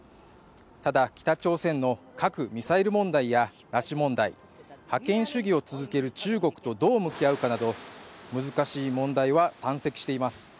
ただ、北朝鮮の核・ミサイル問題や、拉致問題覇権主義を続ける中国とどう向き合うかなど難しい問題は山積しています。